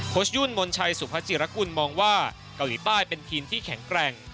ชยุ่นมนชัยสุภาจิรกุลมองว่าเกาหลีใต้เป็นทีมที่แข็งแกร่ง